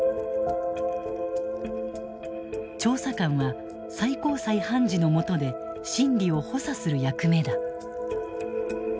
調査官は最高裁判事のもとで審理を補佐する役目だ。